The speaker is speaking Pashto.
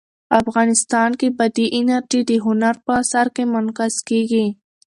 افغانستان کې بادي انرژي د هنر په اثار کې منعکس کېږي.